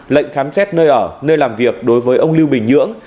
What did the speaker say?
lệnh khám xét nơi ở nơi làm việc đối với ông lưu bình nhưỡng